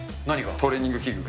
トレーニング器具が。